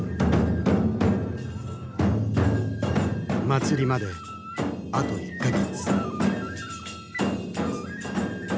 祭りまであと１か月。